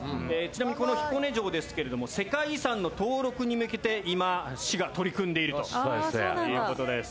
ちなみにこの彦根城ですけれども世界遺産の登録に向けて今市が取り組んでいるという事です。